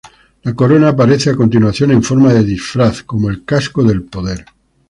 La corona aparece a continuación en forma de disfraz como el "Casco del poder".